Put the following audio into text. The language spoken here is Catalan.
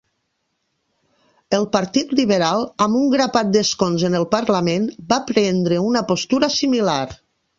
El Partit Liberal, amb un grapat d'escons en el parlament, va prendre una postura similar.